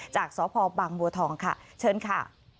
จากสพบังบัวทองค่ะเชิญค่ะ